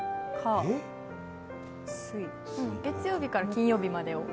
月曜日から金曜日を。